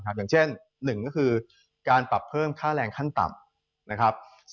อย่างเช่น๑การปรับเพิ่มค่าแรงขั้นต่ำ